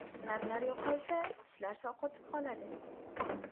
• Lablar yo‘qolsa tishlar sovqotib qoladi.